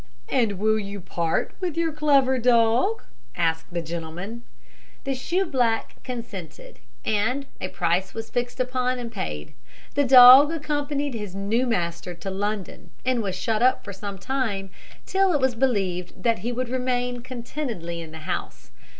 "And will you part with your clever dog?" asked the gentleman. The shoeblack consented, and a price was fixed upon and paid. The dog accompanied his new master to London, and was shut up for some time, till it was believed that he would remain contentedly in the house.